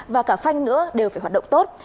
và cả phanh nữa đều phải hoạt động tốt